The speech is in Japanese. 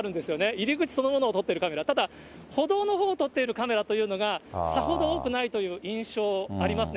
入り口そのものを撮ってるカメラ、ただ、歩道のほうを撮っているカメラというのが、さほど多くないという印象ありますね。